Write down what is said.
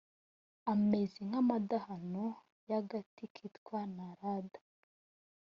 ameze nk’ amadahano y’ agati kitwa narada